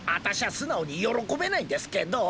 素直に喜べないんですけどぉ？